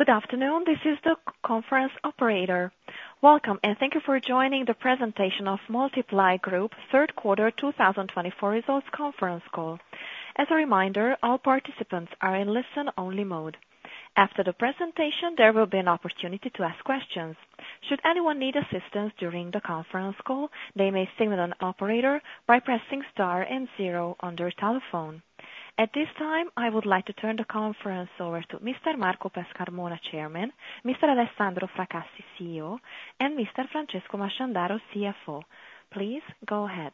Good afternoon, this is the conference operator. Welcome, and thank you for joining the presentation of Moltiply Group Third Quarter 2024 Results Conference Call. As a reminder, all participants are in listen-only mode. After the presentation, there will be an opportunity to ask questions. Should anyone need assistance during the conference call, they may signal an operator by pressing star and zero on their telephone. At this time, I would like to turn the conference over to Mr. Marco Pescarmona, Chairman, Mr. Alessandro Fracassi, CEO, and Mr. Francesco Masciandaro, CFO. Please go ahead.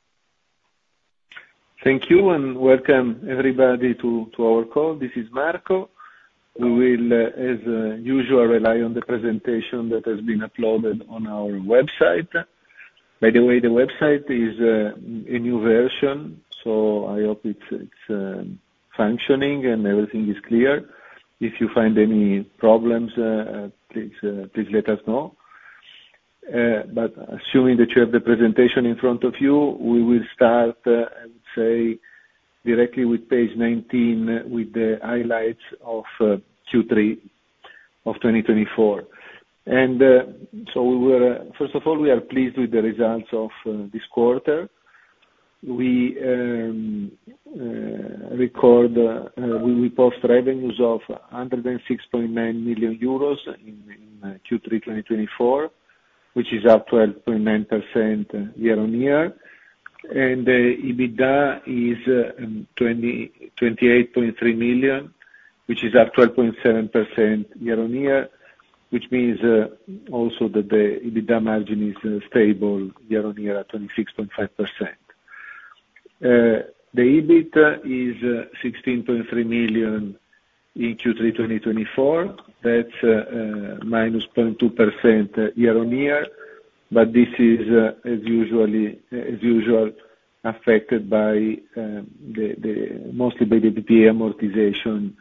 Thank you, and welcome everybody to our call. This is Marco. We will, as usual, rely on the presentation that has been uploaded on our website. By the way, the website is a new version, so I hope it's functioning and everything is clear. If you find any problems, please let us know. But assuming that you have the presentation in front of you, we will start, I would say, directly with page 19, with the highlights of Q3 of 2024. And so we were, first of all, we are pleased with the results of this quarter. We record, we post revenues of 106.9 million euros in Q3 2024, which is up 12.9% year-on-year. And the EBITDA is 28.3 million, which is up 12.7% year-on-year, which means also that the EBITDA margin is stable year-on-year at 26.5%. The EBIT is 16.3 million in Q3 2024. That's minus 0.2% year-on-year, but this is, as usual, affected mostly by the PPA amortization,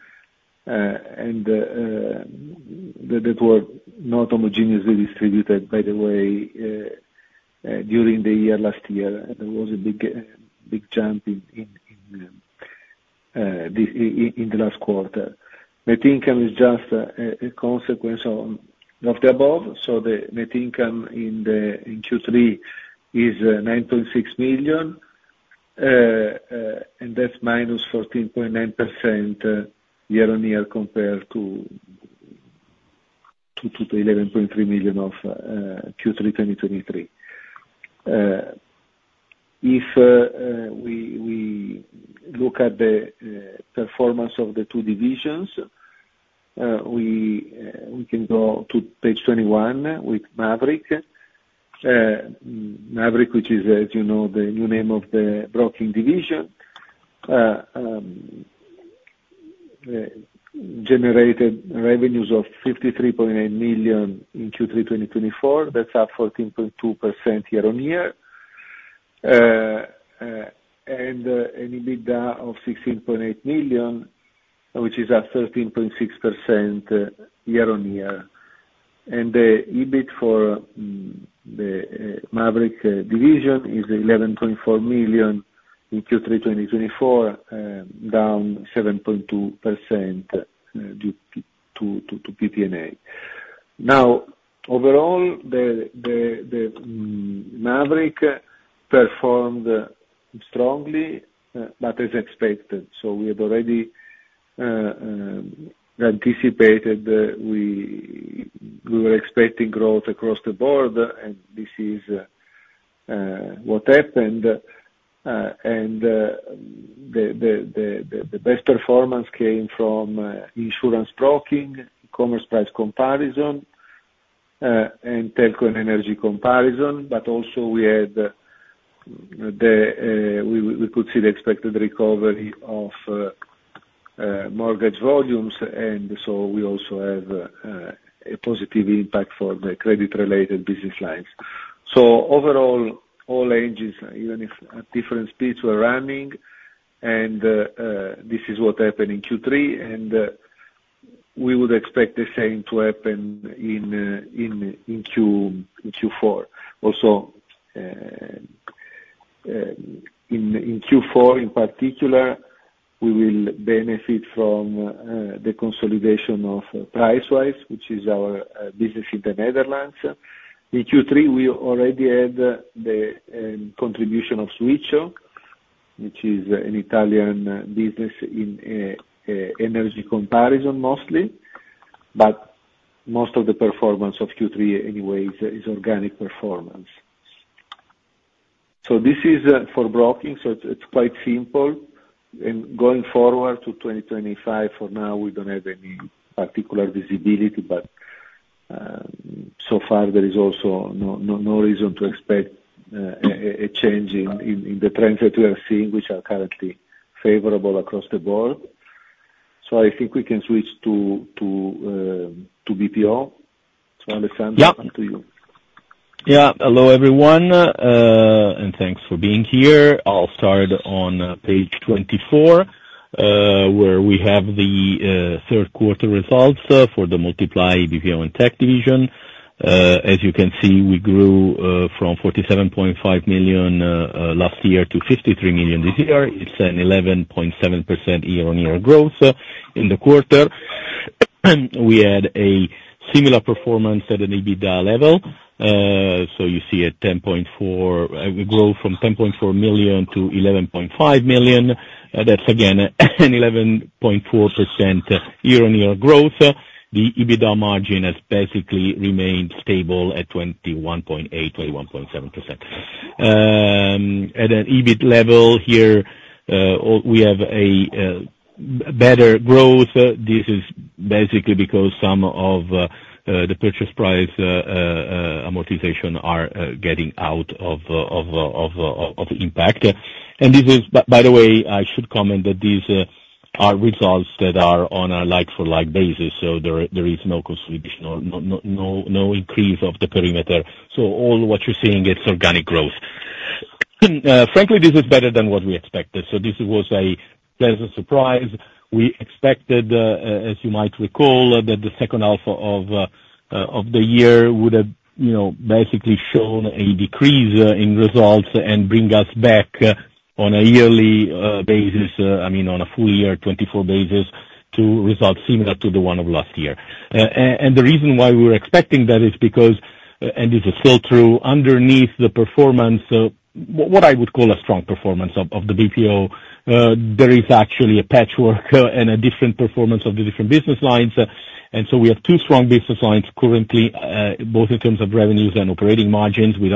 and that were not homogeneously distributed, by the way, during the year last year. There was a big jump in the last quarter. Net income is just a consequence of the above. So the net income in Q3 is 9.6 million, and that's minus 14.9% year-on-year compared to 11.3 million of Q3 2023. If we look at the performance of the two divisions, we can go to page 21 with Mavriq. Mavriq, which is, as you know, the new name of the broking division, generated revenues of 53.8 million in Q3 2024. That's up 14.2% year-on-year. And an EBITDA of 16.8 million, which is up 13.6% year-on-year. And the EBIT for the Mavriq division is 11.4 million in Q3 2024, down 7.2% due to PPA. Now, overall, the Mavriq performed strongly, but as expected, so we had already anticipated that we were expecting growth across the board, and this is what happened, and the best performance came from insurance broking, commerce price comparison, and telco and energy comparison, but also we had the, we could see the expected recovery of mortgage volumes, and so we also have a positive impact for the credit-related business lines, so overall, all engines, even if at different speeds, were running, and this is what happened in Q3, and we would expect the same to happen in Q4. Also, in Q4 in particular, we will benefit from the consolidation of Pricewise, which is our business in the Netherlands. In Q3, we already had the contribution of Switcho, which is an Italian business in energy comparison mostly, but most of the performance of Q3 anyway is organic performance. So this is for broking, so it's quite simple. And going forward to 2025, for now, we don't have any particular visibility, but so far there is also no reason to expect a change in the trends that we are seeing, which are currently favorable across the board. So I think we can switch to BPO. So Alessandro, back to you. Yeah. Hello, everyone, and thanks for being here. I'll start on page 24, where we have the third quarter results for the Moltiply BPO and Tech division. As you can see, we grew from 47.5 million last year to 53 million this year. It's an 11.7% year-on-year growth in the quarter. We had a similar performance at an EBITDA level. So you see a 10.4 million, a growth from 10.4 million to 11.5 million. That's again an 11.4% year-on-year growth. The EBITDA margin has basically remained stable at 21.8%-21.7%. At an EBIT level here, we have a better growth. This is basically because some of the purchase price amortization are getting out of impact. And this is, by the way, I should comment that these are results that are on a like-for-like basis. So there is no consolidation, no increase of the perimeter. All what you're seeing, it's organic growth. Frankly, this is better than what we expected. This was a pleasant surprise. We expected, as you might recall, that the second half of the year would have basically shown a decrease in results and bring us back on a yearly basis, I mean, on a full year, 2024 basis, to results similar to the one of last year. The reason why we were expecting that is because, and this is still true, underneath the performance, what I would call a strong performance of the BPO, there is actually a patchwork and a different performance of the different business lines. We have two strong business lines currently, both in terms of revenues and operating margins, which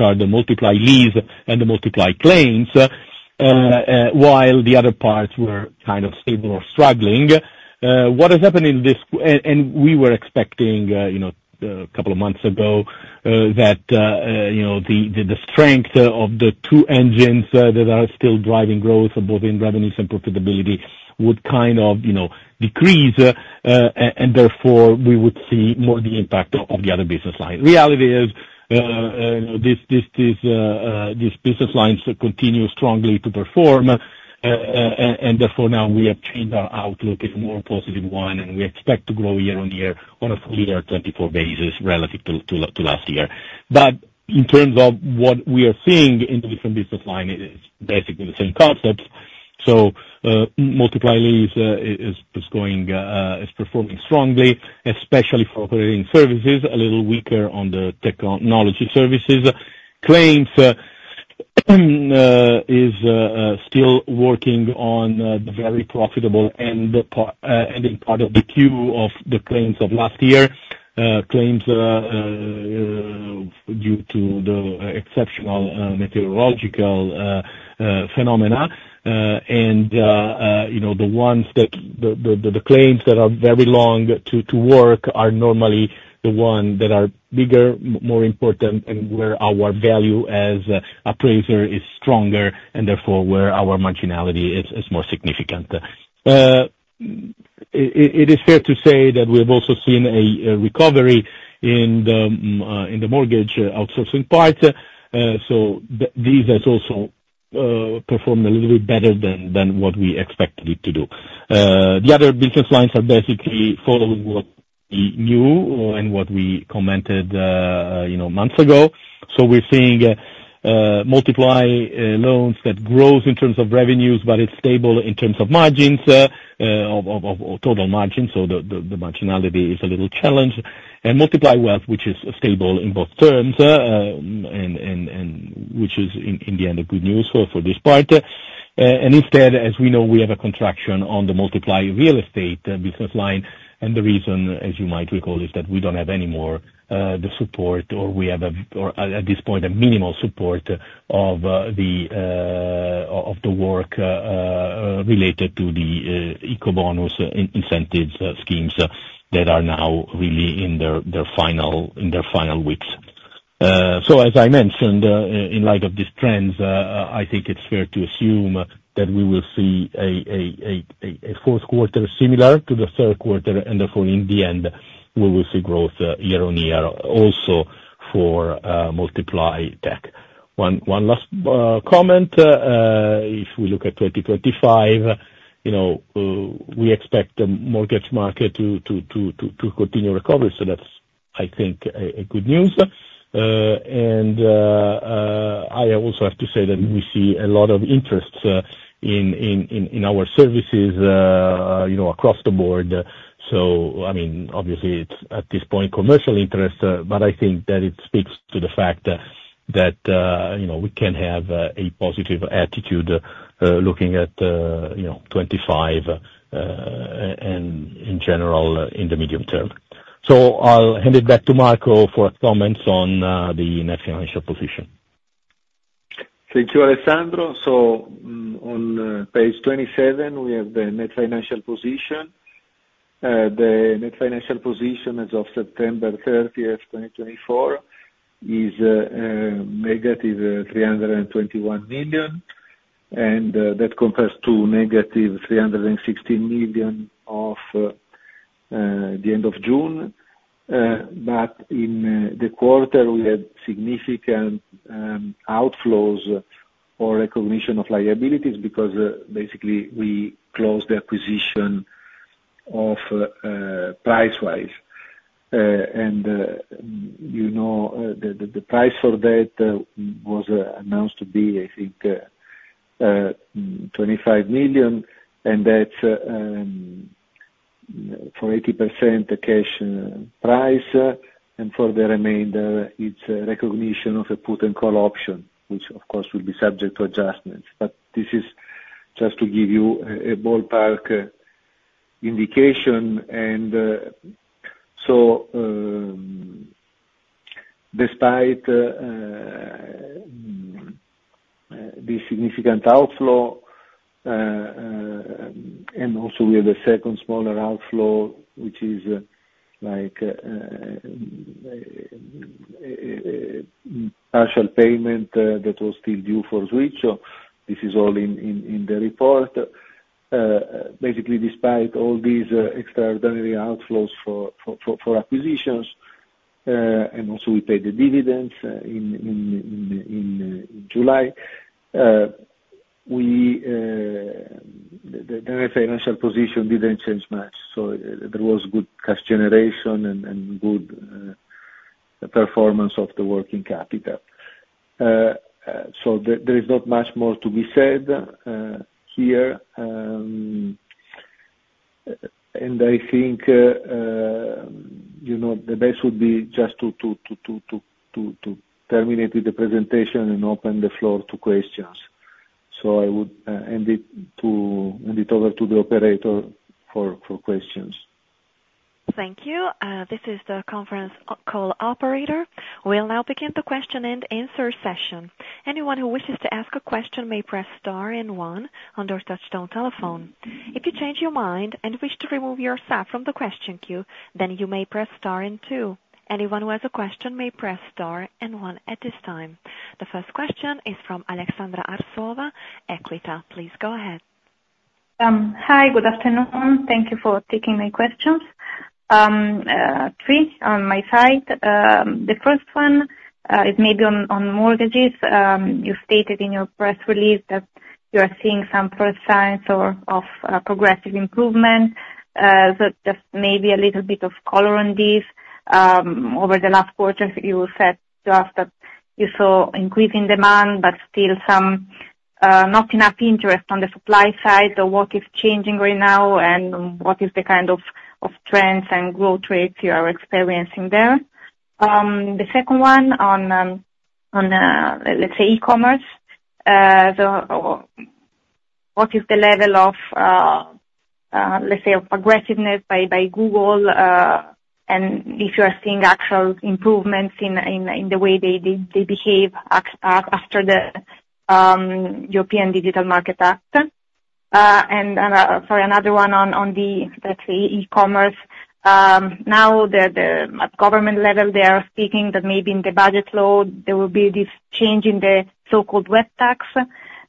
are the Moltiply Leads and the Moltiply Claims, while the other parts were kind of stable or struggling. What has happened in this, and we were expecting a couple of months ago that the strength of the two engines that are still driving growth, both in revenues and profitability, would kind of decrease, and therefore we would see more of the impact of the other business line. Reality is these business lines continue strongly to perform, and therefore now we have changed our outlook in a more positive one, and we expect to grow year-on-year on a full year, 24 basis, relative to last year. But in terms of what we are seeing in the different business line, it's basically the same concept. So Moltiply leads is performing strongly, especially for operating services, a little weaker on the technology services. Claims is still working on the very profitable ending part of the queue of the claims of last year, claims due to the exceptional meteorological phenomena. The ones that, the claims that are very long to work are normally the ones that are bigger, more important, and where our value as appraiser is stronger, and therefore where our marginality is more significant. It is fair to say that we have also seen a recovery in the mortgage outsourcing part. These have also performed a little bit better than what we expected it to do. The other business lines are basically following what we knew and what we commented months ago. We're seeing Moltiply Loans that grows in terms of revenues, but it's stable in terms of margins, of total margins. The marginality is a little challenged. Moltiply Wealth, which is stable in both terms, and which is in the end a good news for this part. And instead, as we know, we have a contraction on the Moltiply Real Estate business line. And the reason, as you might recall, is that we don't have anymore the support, or we have, at this point, a minimal support of the work related to the Ecobonus incentives schemes that are now really in their final weeks. So as I mentioned, in light of these trends, I think it's fair to assume that we will see a fourth quarter similar to the third quarter, and therefore in the end, we will see growth year-on-year also for Moltiply Tech. One last comment, if we look at 2025, we expect the mortgage market to continue recovery. So that's, I think, good news. And I also have to say that we see a lot of interest in our services across the board. So, I mean, obviously, it's at this point commercial interest, but I think that it speaks to the fact that we can have a positive attitude looking at 25 and in general in the medium term. So I'll hand it back to Marco for comments on the net financial position. Thank you, Alessandro. So on page 27, we have the net financial position. The net financial position as of September 30, 2024, is negative 321 million, and that compares to negative 316 million of the end of June. But in the quarter, we had significant outflows or recognition of liabilities because basically we closed the acquisition of Pricewise. And you know that the price for that was announced to be, I think, 25 million, and that's for 80% cash price, and for the remainder, it's recognition of a put and call option, which of course will be subject to adjustments. But this is just to give you a ballpark indication. And so despite this significant outflow, and also we have a second smaller outflow, which is like partial payment that was still due for Switcho. This is all in the report. Basically, despite all these extraordinary outflows for acquisitions, and also we paid the dividends in July, the net financial position didn't change much. So there was good cash generation and good performance of the working capital. So there is not much more to be said here. And I think the best would be just to terminate the presentation and open the floor to questions. So I would hand it over to the operator for questions. Thank you. This is the conference call operator. We'll now begin the question and answer session. Anyone who wishes to ask a question may press star and one on their touchstone telephone. If you change your mind and wish to remove yourself from the question queue, then you may press star and two. Anyone who has a question may press star and one at this time. The first question is from Aleksandra Arsova, Equita. Please go ahead. Hi, good afternoon. Thank you for taking my questions. Three on my side. The first one is maybe on mortgages. You stated in your press release that you are seeing some first signs of progressive improvement. So just maybe a little bit of color on these. Over the last quarter, you said to us that you saw increasing demand, but still some not enough interest on the supply side. So what is changing right now, and what is the kind of trends and growth rates you are experiencing there? The second one on, let's say, e-commerce. So what is the level of, let's say, of aggressiveness by Google? And if you are seeing actual improvements in the way they behave after the European Digital Markets Act? For another one on the, let's say, e-commerce, now at government level, they are speaking that maybe in the budget flow, there will be this change in the so-called Web Tax,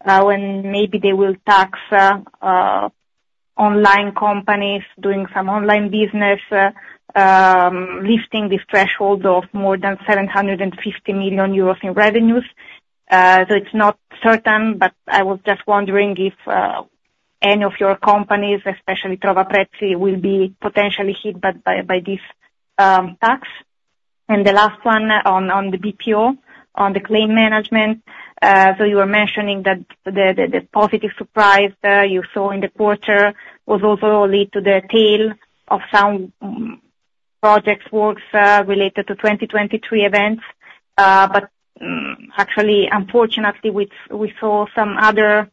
when maybe they will tax online companies doing some online business, lifting this threshold of more than 750 million euros in revenues. It's not certain, but I was just wondering if any of your companies, especially Trovaprezzi, will be potentially hit by this tax. The last one on the BPO, on the claim management. You were mentioning that the positive surprise you saw in the quarter was also led to the tail of some project works related to 2023 events. Actually, unfortunately, we saw some other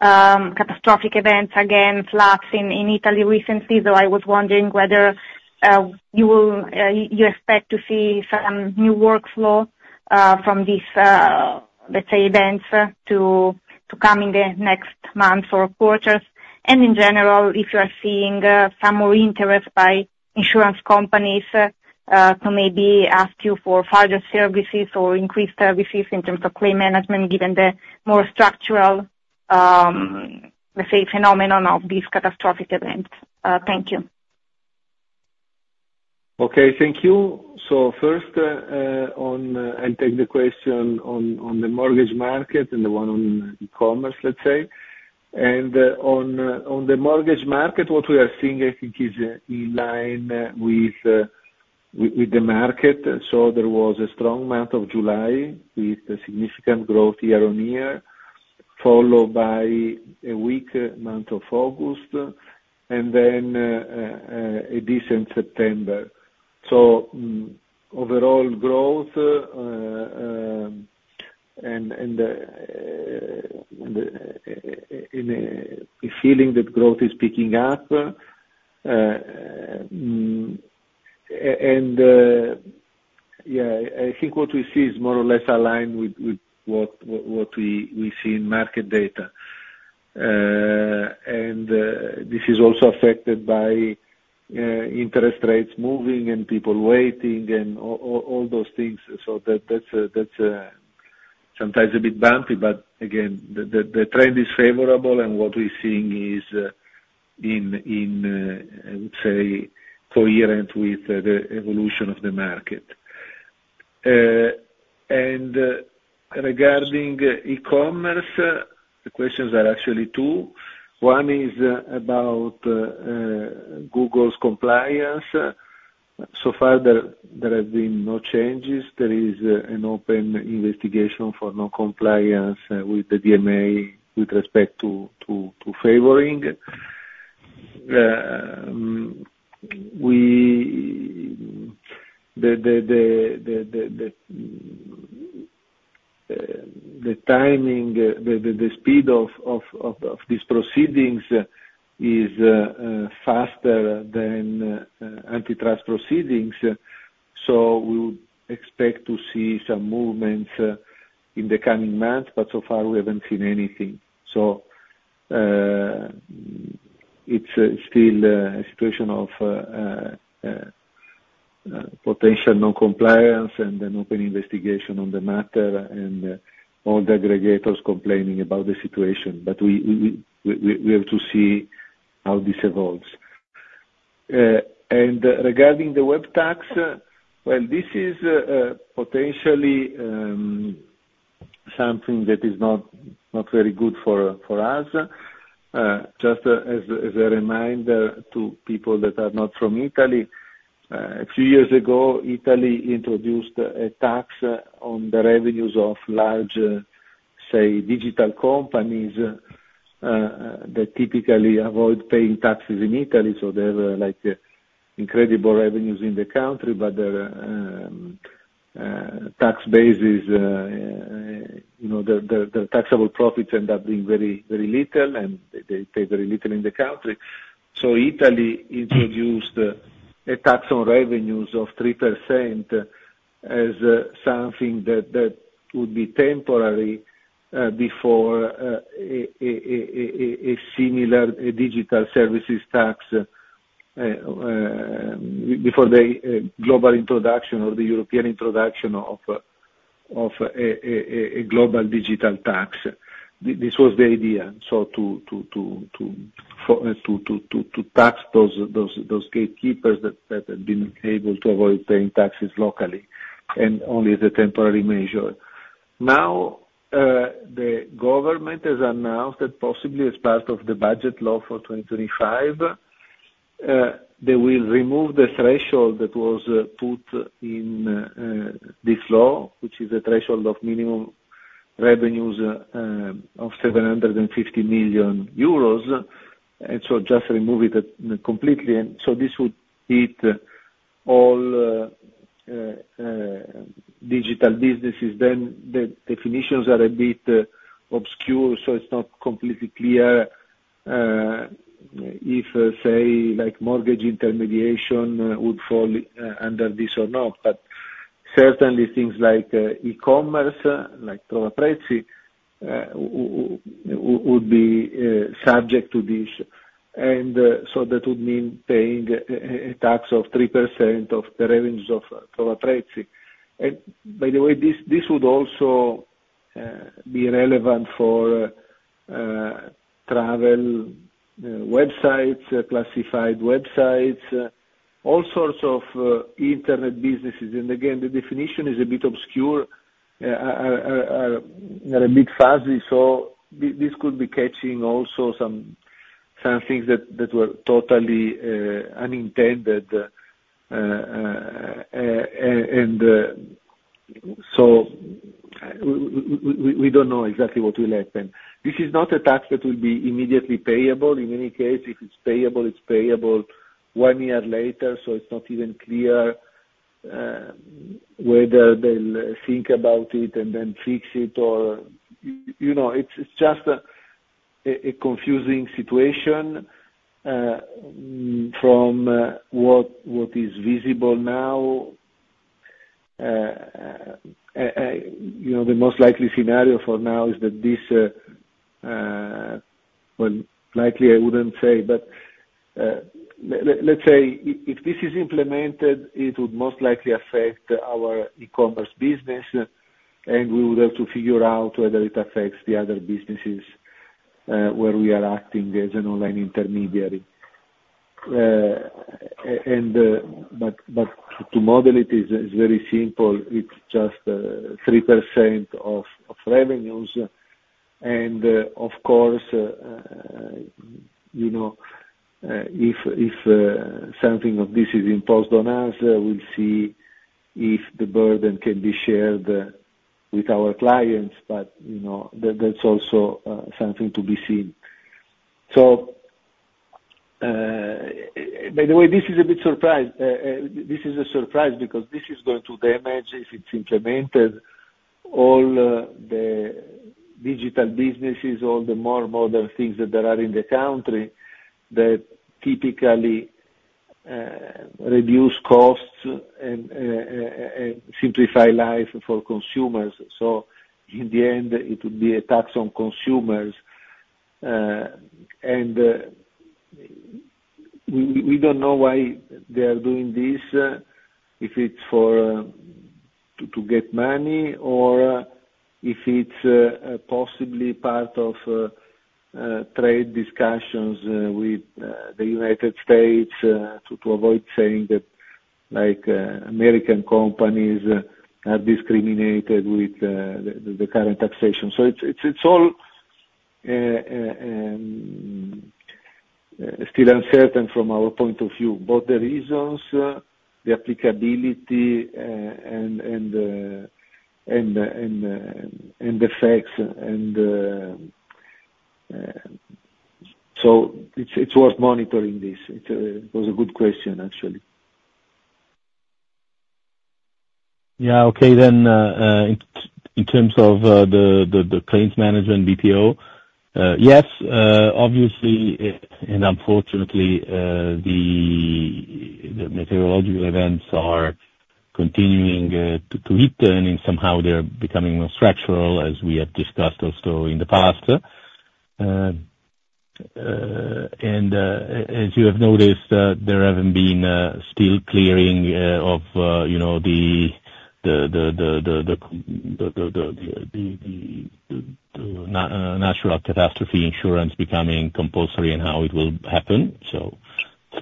catastrophic events again, floods in Italy recently. So I was wondering whether you expect to see some new workflow from these, let's say, events to come in the next months or quarters. And in general, if you are seeing some more interest by insurance companies to maybe ask you for further services or increased services in terms of claim management, given the more structural, let's say, phenomenon of these catastrophic events. Thank you. Okay, thank you. So first, I'll take the question on the mortgage market and the one on e-commerce, let's say. And on the mortgage market, what we are seeing, I think, is in line with the market. So there was a strong month of July with significant growth year-on-year, followed by a weak month of August, and then a decent September. So overall growth and the feeling that growth is picking up. And yeah, I think what we see is more or less aligned with what we see in market data. And this is also affected by interest rates moving and people waiting and all those things. So that's sometimes a bit bumpy, but again, the trend is favorable, and what we're seeing is, I would say, coherent with the evolution of the market. And regarding e-commerce, the questions are actually two. One is about Google's compliance. So far, there have been no changes. There is an open investigation for non-compliance with the DMA with respect to favoring. The timing, the speed of these proceedings is faster than antitrust proceedings, so we would expect to see some movements in the coming months, but so far, we haven't seen anything, so it's still a situation of potential non-compliance and an open investigation on the matter and all the aggregators complaining about the situation, but we have to see how this evolves, and regarding the Web Tax, well, this is potentially something that is not very good for us. Just as a reminder to people that are not from Italy, a few years ago, Italy introduced a tax on the revenues of large, say, digital companies that typically avoid paying taxes in Italy. They have incredible revenues in the country, but their tax basis, their taxable profits end up being very little, and they pay very little in the country. Italy introduced a tax on revenues of 3% as something that would be temporary before a similar digital services tax, before the global introduction or the European introduction of a global digital tax. This was the idea, so to tax those gatekeepers that have been able to avoid paying taxes locally and only as a temporary measure. Now, the government has announced that possibly as part of the budget law for 2025, they will remove the threshold that was put in this law, which is a threshold of minimum revenues of 750 million euros. And so just remove it completely. And so this would hit all digital businesses. Then the definitions are a bit obscure, so it's not completely clear if, say, mortgage intermediation would fall under this or not. But certainly, things like e-commerce, like Trovaprezzi, would be subject to this. And so that would mean paying a tax of 3% of the revenues of Trovaprezzi. And by the way, this would also be relevant for travel websites, classified websites, all sorts of internet businesses. And again, the definition is a bit obscure, a bit fuzzy. So this could be catching also some things that were totally unintended. And so we don't know exactly what will happen. This is not a tax that will be immediately payable. In any case, if it's payable, it's payable one year later. So it's not even clear whether they'll think about it and then fix it or it's just a confusing situation from what is visible now. The most likely scenario for now is that, I wouldn't say, but let's say if this is implemented, it would most likely affect our e-commerce business, and we would have to figure out whether it affects the other businesses where we are acting as an online intermediary, but to model it, it's very simple. It's just 3% of revenues, and of course, if something of this is imposed on us, we'll see if the burden can be shared with our clients, but that's also something to be seen, so by the way, this is a bit of a surprise because this is going to damage, if it's implemented, all the digital businesses, all the more modern things that there are in the country that typically reduce costs and simplify life for consumers, so in the end, it would be a tax on consumers. We don't know why they are doing this, if it's to get money or if it's possibly part of trade discussions with the United States to avoid saying that American companies are discriminated with the current taxation. It's all still uncertain from our point of view, both the reasons, the applicability, and the facts. It's worth monitoring this. It was a good question, actually. Yeah, okay. Then in terms of the claims management BPO, yes, obviously, and unfortunately, the meteorological events are continuing to return, and somehow they're becoming more structural, as we have discussed also in the past. And as you have noticed, there haven't been still clarity on the natural catastrophe insurance becoming compulsory and how it will happen. So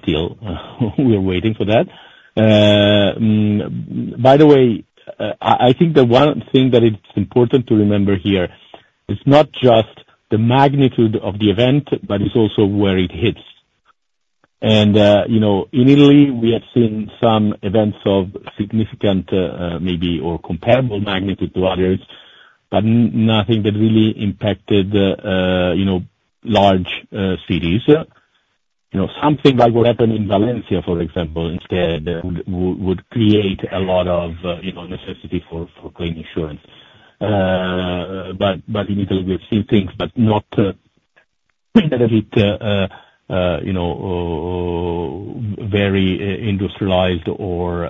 still, we're waiting for that. By the way, I think the one thing that it's important to remember here is not just the magnitude of the event, but it's also where it hits. And in Italy, we have seen some events of significant, maybe, or comparable magnitude to others, but nothing that really impacted large cities. Something like what happened in Valencia, for example, instead, would create a lot of necessity for claim insurance. But in Italy, we've seen things, but not that a bit very industrialized or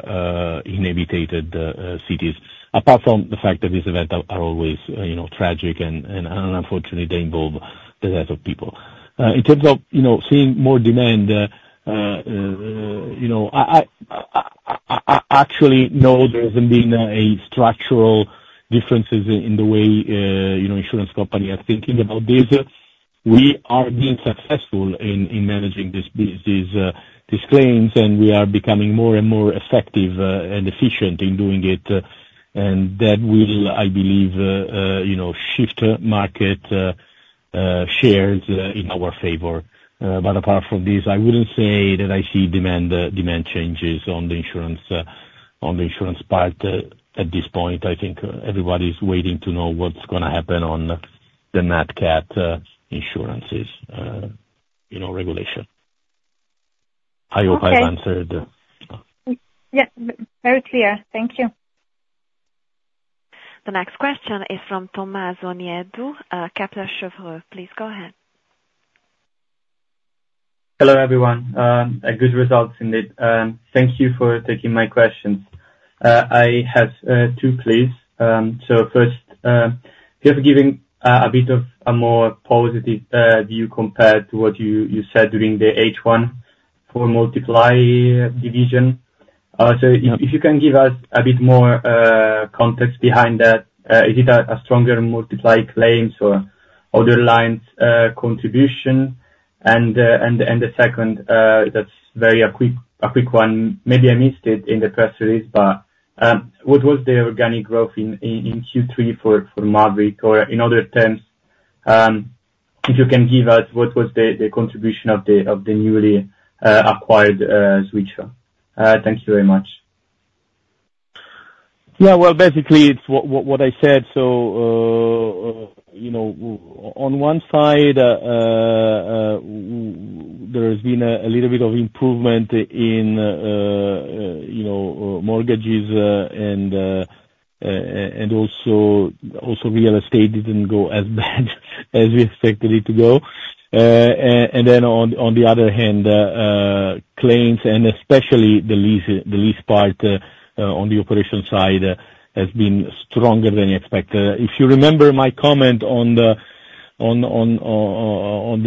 inhabited cities, apart from the fact that these events are always tragic, and unfortunately, they involve the death of people. In terms of seeing more demand, I actually know there hasn't been any structural differences in the way insurance companies are thinking about this. We are being successful in managing these claims, and we are becoming more and more effective and efficient in doing it. And that will, I believe, shift market shares in our favor. But apart from this, I wouldn't say that I see demand changes on the insurance part at this point. I think everybody's waiting to know what's going to happen on the NatCat insurances regulation. I hope I've answered. Yes, very clear. Thank you. The next question is from Renaud Thomas, Kepler Cheuvreux. Please go ahead. Hello, everyone. Good results indeed. Thank you for taking my questions. I have two pleas. So first, if you have given a bit of a more positive view compared to what you said during the H1 for Moltiply division. So if you can give us a bit more context behind that, is it a stronger Moltiply claims or other lines contribution? And the second, that's very a quick one. Maybe I missed it in the press release, but what was the organic growth in Q3 for Mavriq? Or in other terms, if you can give us what was the contribution of the newly acquired Switcho? Thank you very much. Yeah, well, basically, it's what I said. So on one side, there has been a little bit of improvement in mortgages, and also real estate didn't go as bad as we expected it to go. And then on the other hand, claims, and especially the lease part on the operation side, has been stronger than expected. If you remember my comment on the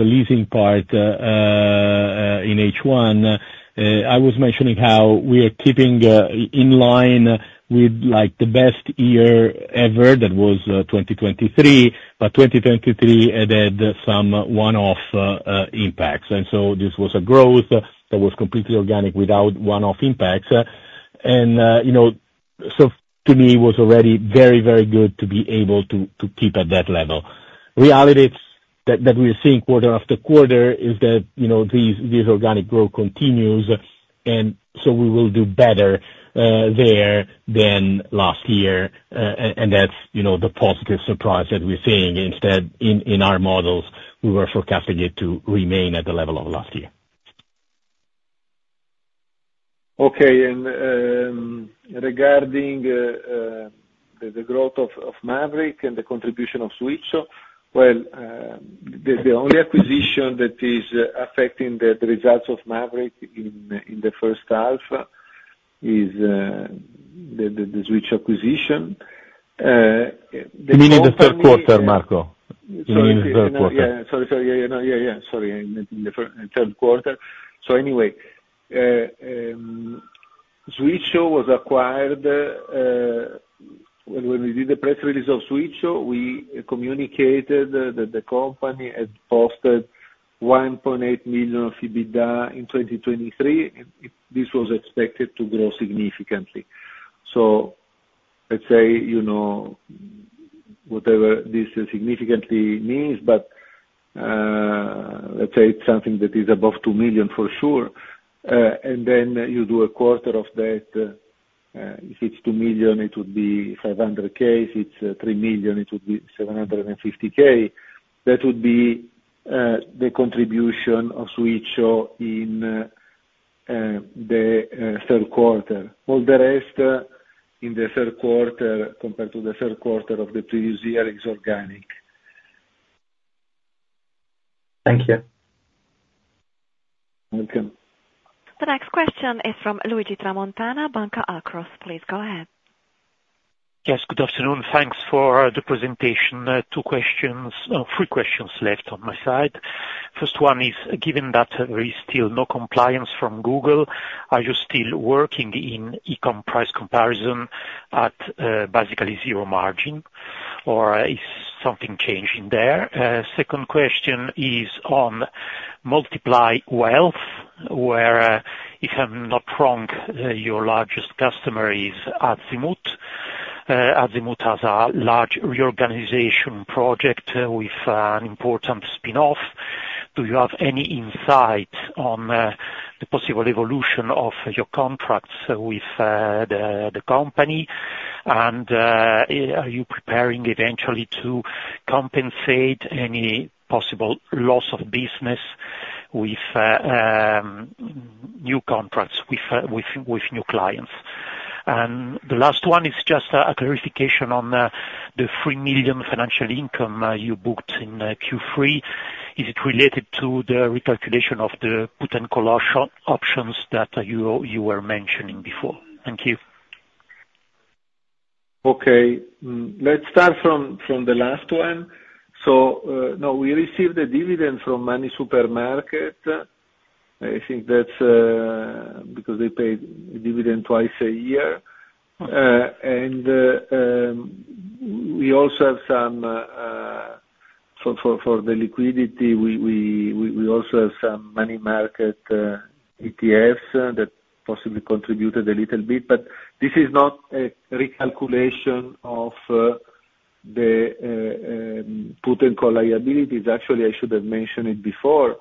leasing part in H1, I was mentioning how we are keeping in line with the best year ever. That was 2023, but 2023 had some one-off impacts. And so this was a growth that was completely organic without one-off impacts. And so to me, it was already very, very good to be able to keep at that level. Reality that we are seeing quarter after quarter is that this organic growth continues, and so we will do better there than last year. That's the positive surprise that we're seeing. Instead, in our models, we were forecasting it to remain at the level of last year. Okay. And regarding the growth of Mavriq and the contribution of Switcho, well, the only acquisition that is affecting the results of Mavriq in the first half is the Switcho acquisition. You mean in the third quarter, Marco? Sorry, in the third quarter. So anyway, Switcho was acquired. When we did the press release of Switcho, we communicated that the company had posted 1.8 million of EBITDA in 2023. This was expected to grow significantly. So let's say whatever this significantly means, but let's say it's something that is above 2 million for sure. And then you do a quarter of that. If it's 2 million, it would be 500,000. If it's 3 million, it would be 750,000. That would be the contribution of Switcho in the third quarter. All the rest in the third quarter compared to the third quarter of the previous year is organic. Thank you. Welcome. The next question is from Luigi Tramontana, Banca Akros. Please go ahead. Yes, good afternoon. Thanks for the presentation. Two questions, three questions left on my side. First one is, given that there is still no compliance from Google, are you still working in e-comm price comparison at basically zero margin, or is something changing there? Second question is on Moltiply Wealth, where if I'm not wrong, your largest customer is Azimut. Azimut has a large reorganization project with an important spinoff. Do you have any insight on the possible evolution of your contracts with the company? And are you preparing eventually to compensate any possible loss of business with new contracts with new clients? And the last one is just a clarification on the 3 million financial income you booked in Q3. Is it related to the recalculation of the put and call options that you were mentioning before? Thank you. Okay. Let's start from the last one. So no, we received a dividend from MoneySuperMarket. I think that's because they paid dividend twice a year. And we also have some for the liquidity, we also have some money market ETFs that possibly contributed a little bit. But this is not a recalculation of the put and call liabilities. Actually, I should have mentioned it before.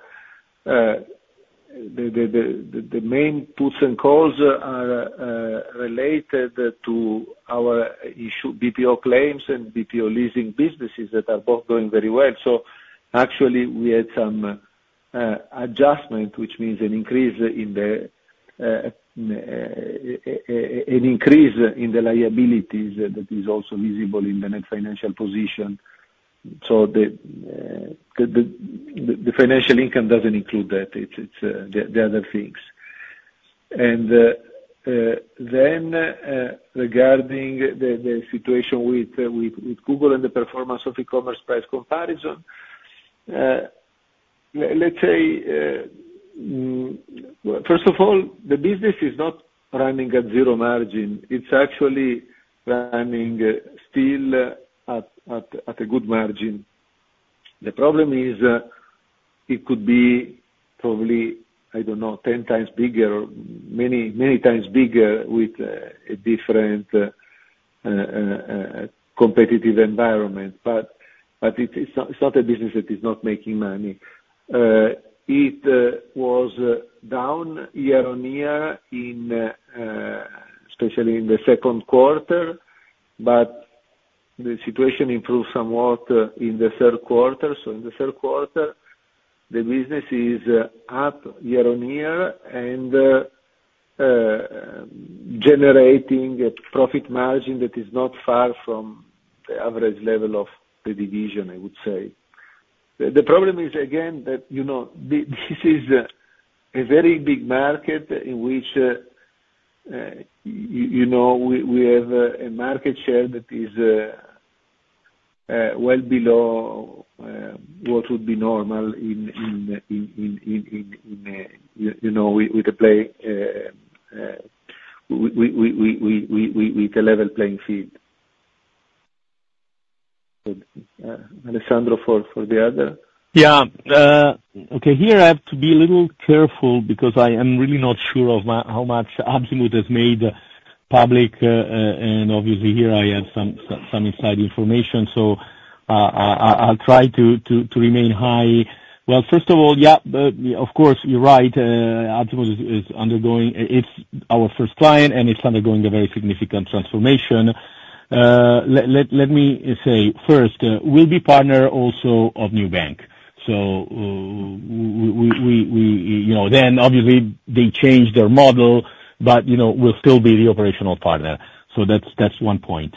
The main puts and calls are related to our BPO claims and BPO leasing businesses that are both going very well. So actually, we had some adjustment, which means an increase in the liabilities that is also visible in the net financial position. So the financial income doesn't include that. It's the other things. And then regarding the situation with Google and the performance of e-commerce price comparison, let's say, first of all, the business is not running at zero margin. It's actually running still at a good margin. The problem is it could be probably, I don't know, 10 times bigger or many times bigger with a different competitive environment. But it's not a business that is not making money. It was down year-on-year, especially in the second quarter, but the situation improved somewhat in the third quarter. So in the third quarter, the business is up year-on-year and generating a profit margin that is not far from the average level of the division, I would say. The problem is, again, that this is a very big market in which we have a market share that is well below what would be normal with the level playing field. Alessandro for the other. Yeah. Okay. Here I have to be a little careful because I am really not sure of how much Azimut has made public. And obviously, here I have some inside information. So I'll try to remain high. Well, first of all, yeah, of course, you're right. Azimut, our first client, is undergoing a very significant transformation. Let me say first, we'll be partner also of New Bank. So then obviously, they changed their model, but we'll still be the operational partner. So that's one point.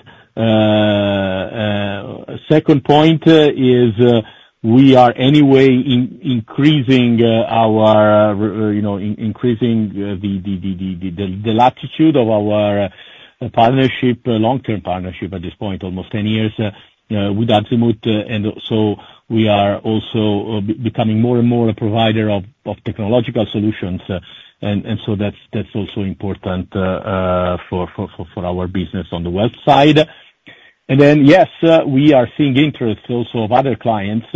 Second point is we are anyway increasing the latitude of our partnership, long-term partnership at this point, almost 10 years with Azimut. And so we are also becoming more and more a provider of technological solutions. And so that's also important for our business on the website. And then, yes, we are seeing interest also of other clients.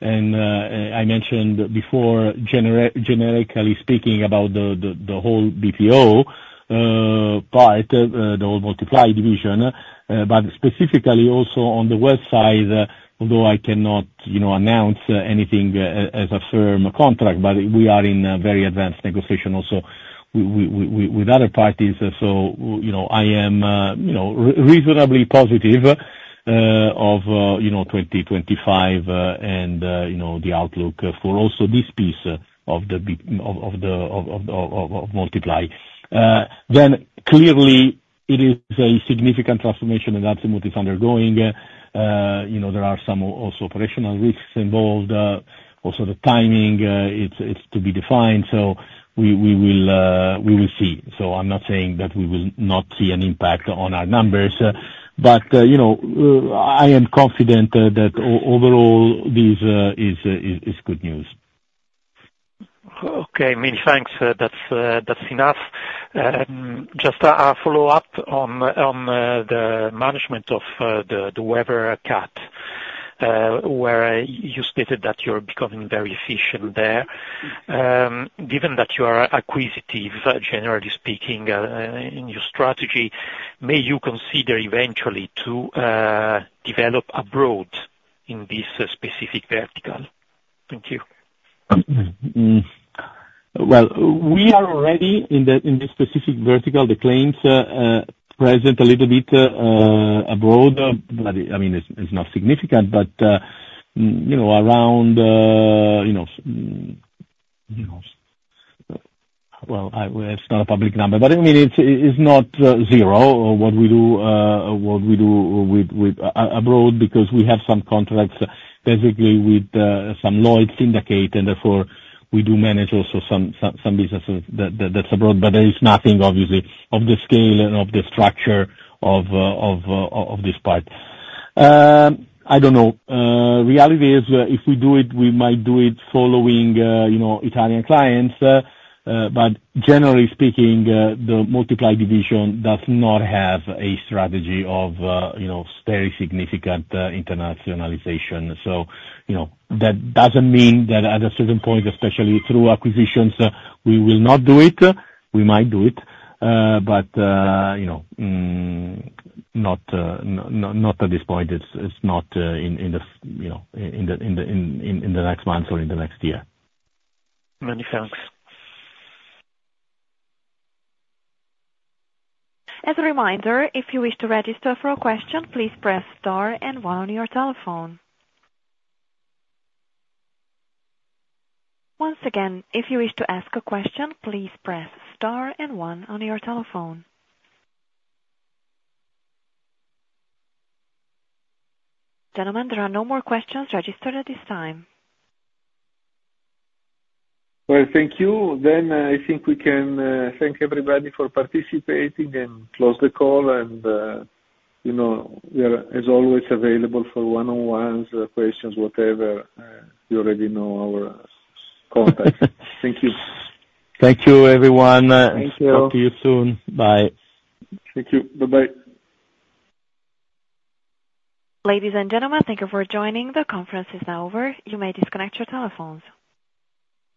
And I mentioned before, generically speaking, about the whole BPO, but the whole Moltiply division, but specifically also on the website, although I cannot announce anything as a firm contract, but we are in very advanced negotiation also with other parties. So I am reasonably positive of 2025 and the outlook for also this piece of the Moltiply. Then clearly, it is a significant transformation that Azimut is undergoing. There are some also operational risks involved. Also the timing, it's to be defined. So we will see. So I'm not saying that we will not see an impact on our numbers. But I am confident that overall, this is good news. Okay. Many thanks. That's enough. Just a follow-up on the management of the NatCat, where you stated that you're becoming very efficient there. Given that you are acquisitive, generally speaking, in your strategy, may you consider eventually to develop abroad in this specific vertical? Thank you. We are already in this specific vertical. The claims present a little bit abroad. I mean, it's not significant, but around, well, it's not a public number, but I mean, it's not zero what we do abroad because we have some contracts basically with some Lloyd's syndicate, and therefore we do manage also some businesses that's abroad. But there is nothing, obviously, of the scale and of the structure of this part. I don't know. Reality is if we do it, we might do it following Italian clients. But generally speaking, the Moltiply division does not have a strategy of very significant internationalization. So that doesn't mean that at a certain point, especially through acquisitions, we will not do it. We might do it, but not at this point. It's not in the next month or in the next year. Many thanks. As a reminder, if you wish to register for a question, please press star and one on your telephone. Once again, if you wish to ask a question, please press star and one on your telephone. Gentlemen, there are no more questions registered at this time. Thank you. I think we can thank everybody for participating and close the call. We are, as always, available for one-on-one questions, whatever. You already know our contacts. Thank you. Thank you, everyone. Thank you. Talk to you soon. Bye. Thank you. Bye-bye. Ladies and gentlemen, thank you for joining. The conference is now over. You may disconnect your telephones.